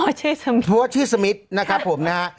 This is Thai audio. เพราะว่าชื่อสมิทนะครับผมนะฮะ